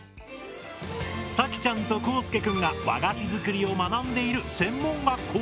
さきちゃんとこうすけくんが和菓子作りを学んでいる専門学校だ。